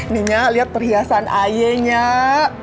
nih nyak liat perhiasan ayo nyak